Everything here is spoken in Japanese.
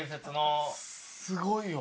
すごいよ。